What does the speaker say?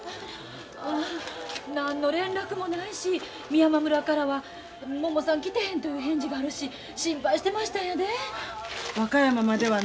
何の連絡もないし美山村からはももさん来てへんという返事があるし心配してましたんやで。